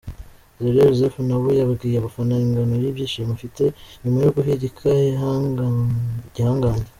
Areruya Joseph na we yabwiye abafana ingano y’ibyishimo afite nyuma yo guhigika ibihangange